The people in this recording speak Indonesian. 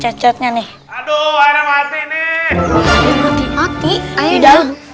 cat catnya nih aduh aina mati nih